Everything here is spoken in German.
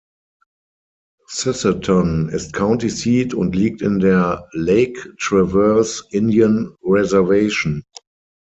Sisseton ist County Seat und liegt in der Lake Traverse Indian Reservation.